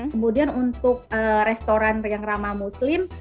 kemudian untuk restoran yang ramah muslim